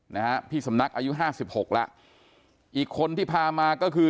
นะฮะพี่สำนักอายุห้าสิบหกแล้วอีกคนที่พามาก็คือ